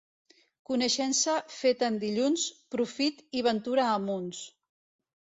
Coneixença feta en dilluns, profit i ventura a munts.